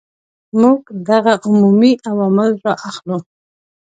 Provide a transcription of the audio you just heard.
موږ دغه عمومي عوامل را اخلو.